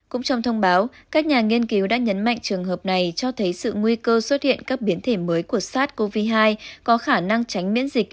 cũng trong thông báo các nhà nghiên cứu đã nhấn mạnh trường hợp này cho thấy sự nguy cơ xuất hiện các biến thể mới của sars cov hai có khả năng tránh miễn dịch